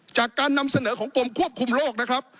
จากการนำเสนอของกรมควบคุมโรคนะครับ